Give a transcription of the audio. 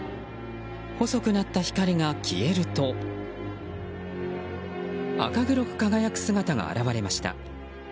細くなった光が消えると赤黒く輝く姿が現れました。